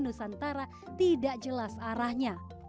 nusantara tidak jelas arahnya